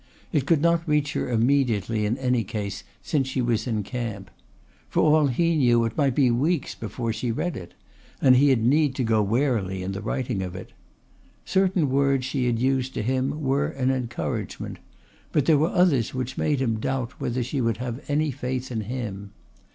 It could not reach her immediately in any case since she was in camp. For all he knew it might be weeks before she read it; and he had need to go warily in the writing of it. Certain words she had used to him were an encouragement; but there were others which made him doubt whether she would have any faith in him.